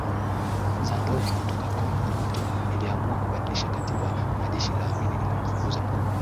za ndovu kutoka Kongo Obote iliamua kubadilisha katiba na jeshi la Amini lilimfukuza Mkuu